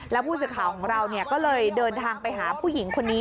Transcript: แล้วผู้สื่อข่าวของเราก็เลยเดินทางไปหาผู้หญิงคนนี้